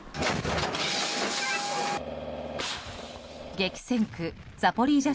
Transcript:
激戦区ザポリージャ